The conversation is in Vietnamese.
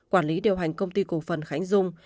quản lý điều hành công ty cổ phần khánh dung